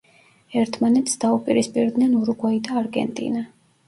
ერთმანეთს დაუპირისპირდნენ ურუგვაი და არგენტინა.